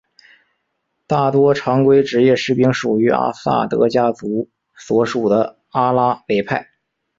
大多常规职业士兵属于阿萨德家族所属的阿拉维派。